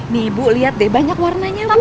nih ibu lihat deh banyak warnanya